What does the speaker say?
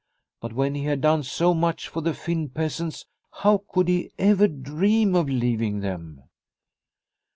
But when he had done so much for the Finn peasants, how could he ever dream of leaving them